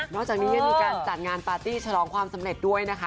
จากนี้ยังมีการจัดงานปาร์ตี้ฉลองความสำเร็จด้วยนะคะ